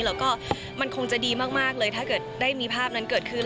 แล้วก็มันคงจะดีมากเลยถ้าเกิดได้มีภาพนั้นเกิดขึ้น